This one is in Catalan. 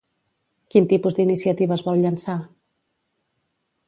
Quin tipus d'iniciatives vol llençar?